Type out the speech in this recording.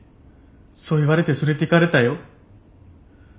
そう言われて連れていかれたよ。